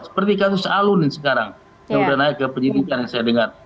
seperti kasus alun sekarang yang sudah naik ke penyidikan yang saya dengar